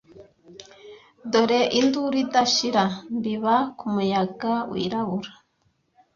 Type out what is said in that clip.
dore induru idashira mbiba kumuyaga wirabura